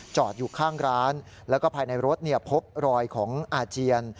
อยู่ข้างร้านแล้วก็ภายในรถพบรอยของอาเจียน